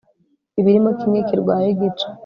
Ibirimo kimwe kirwaye igice